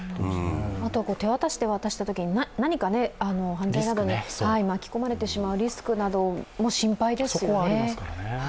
あとは手渡しで渡したときに、何か犯罪などに巻き込まれてしまうリスクも心配ですよね。